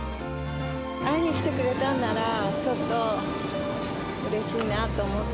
会いに来てくれたんなら、ちょっとうれしいなと思って。